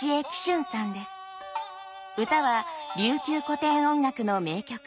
唄は琉球古典音楽の名曲